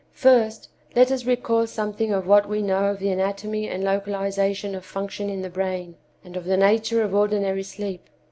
First, let us recall something of what we know of the anatomy and localization of function in the brain, and of the nature of ordinary sleep.